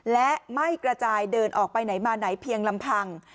และไม่กระจายเดินออกไปไหนมาไหนเพียงลำพัง